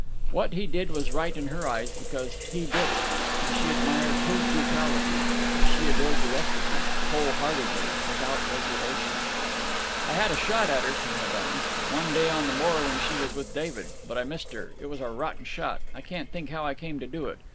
What he did was right in her eyes, because he did it, and she admired his brutality, as she adored the rest of him, whole heartedly, without reservation. "I had a shot at her," he went on, "one day on the moor when she was with David; but I missed her. It was a rotten shot. I can't think how I came to do it.